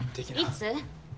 いつ？